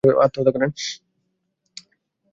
শুনছিস আমার কথা?